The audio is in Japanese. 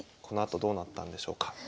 このあとどうなったんでしょうか。